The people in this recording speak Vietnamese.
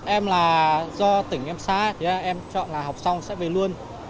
em là do tỉnh em xa em chọn là học xong sẽ về luôn